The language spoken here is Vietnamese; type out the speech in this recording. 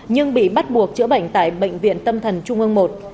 nhưng bị bắt buộc chữa bệnh tại bệnh viện tâm thần trung ương i